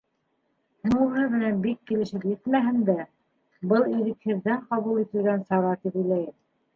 Һуңғыһы менән бик килешеп етмәһәм дә, был - ирекһеҙҙән ҡабул ителгән сара тип уйлайым.